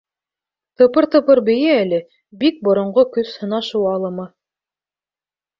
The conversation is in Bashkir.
— Тыпыр-тыпыр бейе әле, Бик боронғо көс һынашыу алымы.